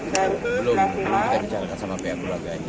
belum kita bicarakan sama pihak keluarganya